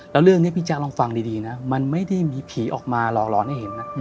แล้วเรื่องนี้พี่แจ๊คลองฟังดีนะมันไม่ได้มีผีออกมาหลอกร้อนให้เห็นนะ